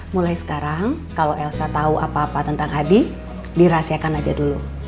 mulai sekarang kalau elsa tau apa apa tentang adi dirahsiakan aja dulu